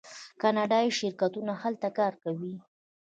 کاناډایی شرکتونه هلته کار کوي.